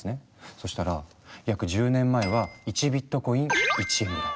そしたら約１０年前は１ビットコイン１円ぐらい。